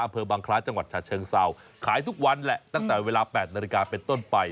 อำเภอบังคล้าจังหวัดฉะเชิงเศร้าขายทุกวันแหละตั้งแต่เวลา๘นาฬิกาเป็นต้นไป